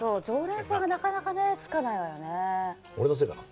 常連さんがなかなかねつかないわよね。